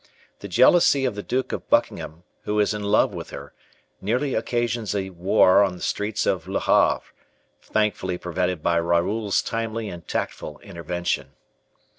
The jealousy of the Duke of Buckingham, who is in love with her, nearly occasions a war on the streets of Le Havre, thankfully prevented by Raoul's timely and tactful intervention.